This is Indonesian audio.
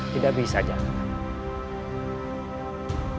tidak bisa jafar